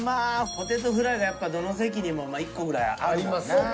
ポテトフライがやっぱどの席にも１個ぐらいあるもんな。